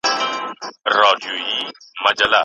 د لیکوالو ورځ د هغوی د هڅو درناوی دی.